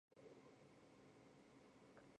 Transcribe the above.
台湾光姬蝽为姬蝽科光姬蝽属下的一个种。